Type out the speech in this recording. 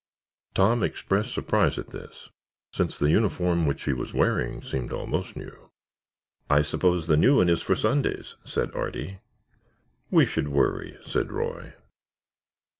Tom expressed surprise at this, since the uniform which he was wearing seemed almost new. "I suppose the new one is for Sundays," said Artie. "We should worry," said Roy.